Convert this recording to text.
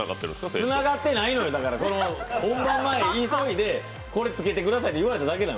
つながってないのよ、本番前に急いでこれ、つけてくださいって言われただけなの。